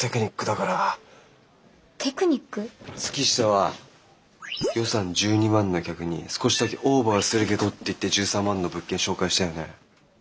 月下は予算１２万の客に「少しだけオーバーするけど」って言って１３万の物件紹介したよね？